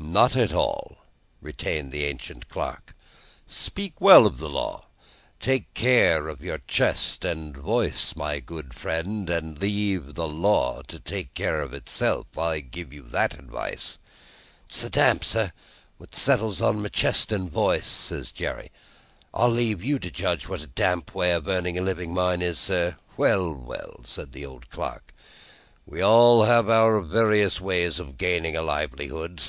"Not at all," retained the ancient clerk. "Speak well of the law. Take care of your chest and voice, my good friend, and leave the law to take care of itself. I give you that advice." "It's the damp, sir, what settles on my chest and voice," said Jerry. "I leave you to judge what a damp way of earning a living mine is." "Well, well," said the old clerk; "we all have our various ways of gaining a livelihood.